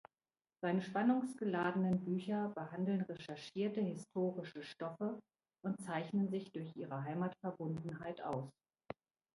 Seine spannungsgeladenen Bücher behandeln recherchierte historische Stoffe und zeichnen sich durch ihre Heimatverbundenheit aus.